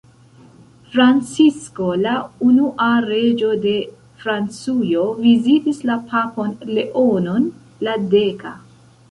Francisko la unua, reĝo de Francujo vizitis la papon Leonon la deka.